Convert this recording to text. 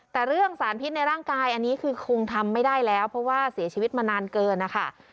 แต่เรื่องสารพิษในร่างกายอันนี้คือคงทำไม่ได้แล้วเพราะว่าเสียชีวิตมานานเกินนะคะ